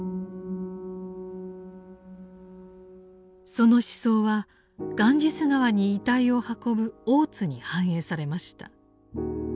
その思想はガンジス河に遺体を運ぶ大津に反映されました。